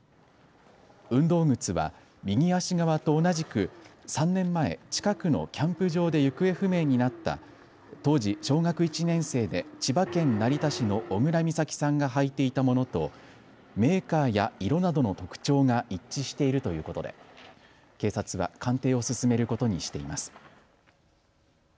運動靴は右足側と同じく３年前近くのキャンプ場で行方不明になった当時小学１年生で千葉県成田市の小倉美咲さんが履いていたものとメーカーや色などの特徴が一致しているということで警察は鑑定を進めることにしています。